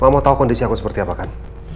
mama tau kondisi aku seperti apa kan